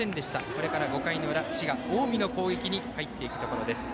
これから５回の裏滋賀・近江の攻撃に入るところです。